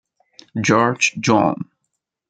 George John